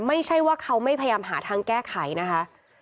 ไม่ใช่ว่าเขาไม่พยายามหาทางแก้ไขนะคะ